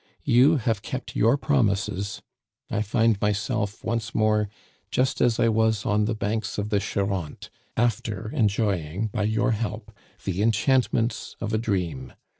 You have kept your promises. I find myself once more just as I was on the banks of the Charente, after enjoying, by your help, the enchantments of a dream.